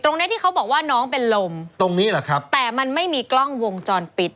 ตรงนี้ที่เขาบอกว่าน้องเป็นลมแต่มันไม่มีกล้องวงจรปิด